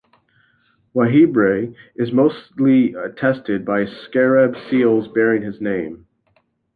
Wahibre is mostly attested by scarab seals bearing his name.